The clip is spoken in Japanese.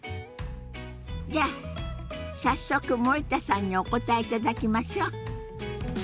じゃあ早速森田さんにお答えいただきましょう。